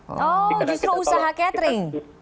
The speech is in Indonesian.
oh justru usaha catering